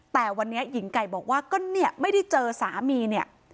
แต่วันนี้หญิงไก่บอกว่าก็เนี่ยไม่ได้เจอสามีเนี่ย